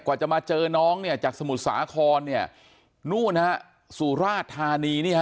จะมาเจอน้องเนี่ยจากสมุทรสาครเนี่ยนู่นฮะสุราชธานีนี่ฮะ